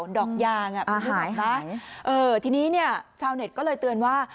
ดอกยางอะหายทีนี้เนี่ยชาวเน็ตก็เลยเตือนว่า